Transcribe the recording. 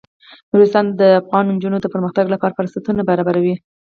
نورستان د افغان نجونو د پرمختګ لپاره فرصتونه برابروي.